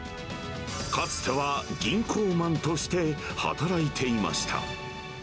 かつては銀行マンとして働いていました。